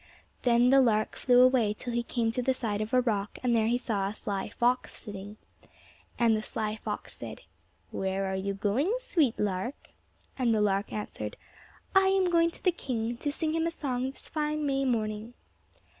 Then the lark flew away till he came to the side of a rock, and there he saw a sly fox sitting. And the sly fox said, "Where are you going, sweet lark?" And the lark answered, "I am going to the king, to sing him a song this fine May morning."